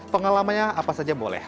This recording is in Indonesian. pengalamannya apa saja boleh